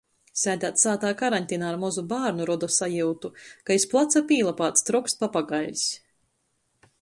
Sēdēt sātā karantinā ar mozu bārnu roda sajiutu, ka iz placa pīlapāts troks papagaiļs.